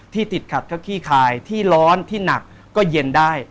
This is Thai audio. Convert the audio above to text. ติดขัดก็ขี้คายที่ร้อนที่หนักก็เย็นได้